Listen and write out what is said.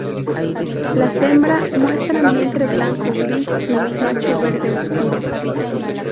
Las hembra muestra vientre blanco-gris y los macho verde oscuro.